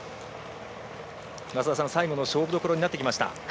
増田さん、最後の勝負どころになってきました。